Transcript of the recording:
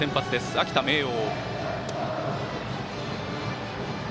秋田・明桜。